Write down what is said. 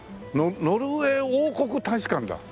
ノルウェー王国大使館だ。